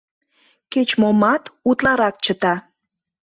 Кеч-момат утларак чыта.